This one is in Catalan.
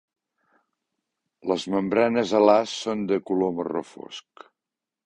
Les membranes alars són de color marró fosc.